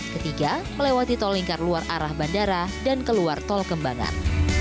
ketiga melewati tol lingkar luar arah bandara dan keluar tol kembangan